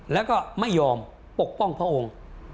แล้วก็ไม่ยอมปกป้องพระองค์